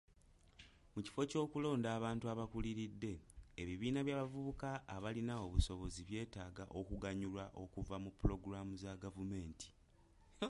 Mu kifo ky'okulonda abantu abakuliridde, ebibiina by'abavubuka abalina obusobozi byetaaga okuganyulwa okuva mu pulogulaamu za gavumenti.